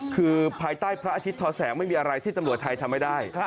คือภายใต้พระอาทิตย์ทอแสงไม่มีอะไรที่ตำรวจไทยทำไม่ได้